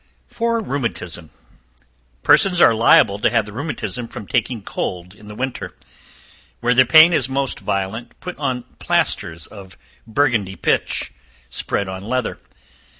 For Rheumatism Persons are liable to have the rheumatism from taking cold in the winter. Where the pain is most violent, put on plasters of Burgundy pitch, spread on leather.